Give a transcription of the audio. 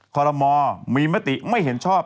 คอลโมมีมติไม่เห็นชอบ